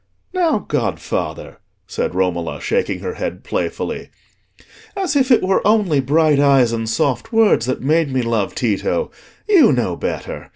"Now, godfather," said Romola, shaking her head playfully, "as if it were only bright eyes and soft words that made me love Tito! You know better.